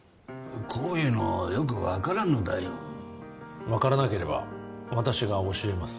こういうのはよく分からんのだよ分からなければ私が教えます